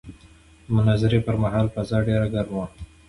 د مناظرې پر مهال فضا ډېره ګرمه وه.